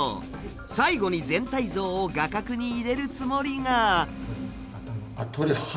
最後に全体像を画角に入れるつもりが。